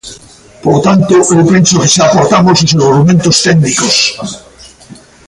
Polo tanto, eu penso que xa aportamos argumentos técnicos.